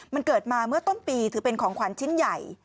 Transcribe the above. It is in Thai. มันเกิดมาเมื่อต้นปีถือเป็นของขวัญชิ้นใหญ่